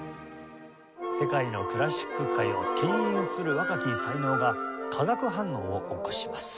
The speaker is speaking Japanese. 世界のクラシック界を牽引する若き才能が化学反応を起こします。